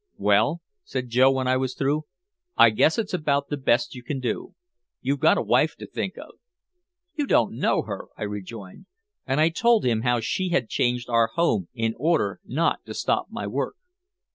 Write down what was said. "Well," said Joe when I was through, "I guess it's about the best you can do. You've got a wife to think of." "You don't know her," I rejoined, and I told him how she had changed our home in order not to stop my work.